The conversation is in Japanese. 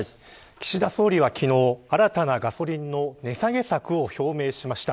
岸田総理は昨日新たなガソリンの値下げ策を表明しました。